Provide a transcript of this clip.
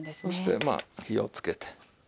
そしてまあ火をつけて。